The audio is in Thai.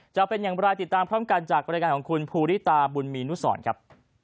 จะเป็นอย่างไรติดตามพร้อมกันจากบริการของคุณภูริตาบุญมีนุสรครับ